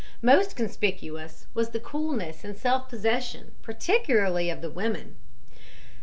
Most conspicuous was the coolness and self possession, particularly of the women.